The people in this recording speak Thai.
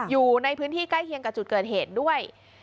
อยู่ในพื้นที่ใกล้เคียงกับจุดเกิดเหตุด้วย